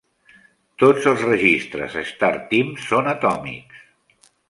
Tots els registres a StarTeam són atòmics.